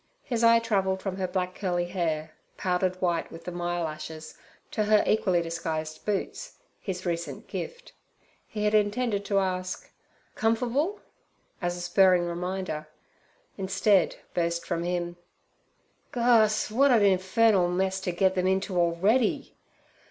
His eye travelled from her black curly hair, powdered white with the myall ashes, to her equally disguised boots, his recent gift. He had intended to ask, 'Comfor'able?' as a spurring reminder; instead burst from him: 'Ghos', w'at a infernal mess ter get them into already!'